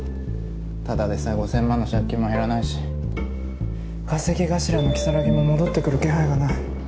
ただでさえ５，０００万の借金も減らないし稼ぎ頭の如月も戻ってくる気配がない。